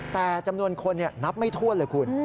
แต่จำนวนคนนับไม่ถ้วนเลยคุณ